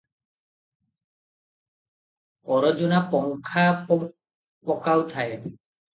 ଅରଜୁନା ପଙ୍ଖା ପକାଉଥାଏ ।